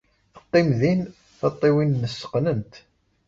Teqqim din, tiṭṭawin-nnes qqnent.